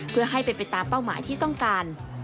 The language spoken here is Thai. เพื่อให้เป็นไปตามเป้าหมายที่ต้องการ